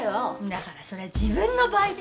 だからそれは自分の場合でしょ？